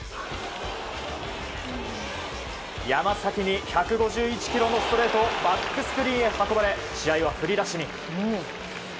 山崎に１５１キロのストレートをバックスクリーンへ運ばれ試合は振り出しに。